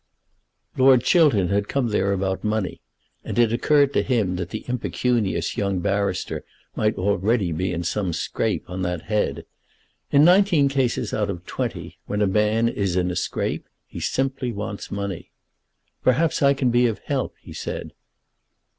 Lord Chiltern had come there about money, and it occurred to him that the impecunious young barrister might already be in some scrape on that head. In nineteen cases out of twenty, when a man is in a scrape, he simply wants money. "Perhaps I can be of help," he said.